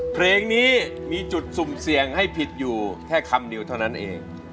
เพลงนี้มีจุดสุ่มเสี่ยงให้ผิดอยู่แค่คำเดียวเท่านั้นเอง